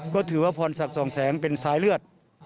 ก็ถือว่าพรศักดิ์สองแสงเป็นสายเลือด